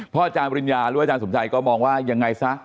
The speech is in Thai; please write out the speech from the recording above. อาจารย์ปริญญาหรืออาจารย์สมชัยก็มองว่ายังไงซะ